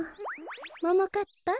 ももかっぱ